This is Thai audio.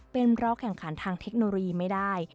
เป็นรอแข่งขันทางเทคโนโลยีไม่ได้